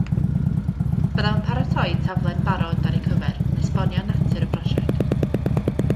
Byddaf yn paratoi taflen barod ar eu cyfer yn esbonio natur y prosiect